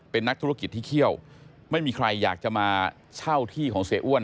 เป็นนักธุรกิจที่เขี้ยวไม่มีใครอยากจะมาเช่าที่ของเสียอ้วน